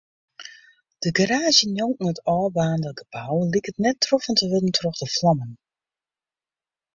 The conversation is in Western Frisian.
De garaazje njonken it ôfbaarnde gebou liket net troffen te wurden troch de flammen.